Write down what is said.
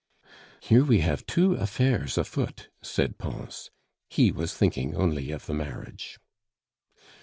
"Here we have two affairs afoot!" said Pons; he was thinking only of the marriage.